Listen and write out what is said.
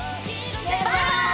バイバーイ！